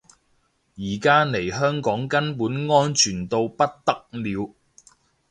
而家嚟香港根本安全到不得了